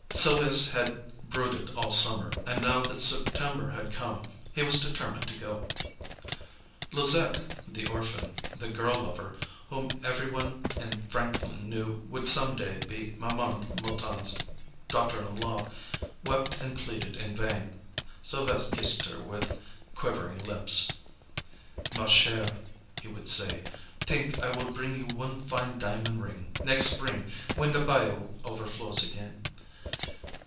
Sylves' had brooded all summer, and now that September had come, he was determined to go. Louisette, the orphan, the girl lover, whom everyone in Franklin knew would some day be Ma'am Mouton's daughter in law, wept and pleaded in vain. Sylves' kissed her quivering lips. "Ma chere," he would say, "t'ink, I will bring you one fine diamon' ring, nex' spring, when de bayou overflows again."